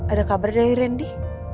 ada kabar dari randy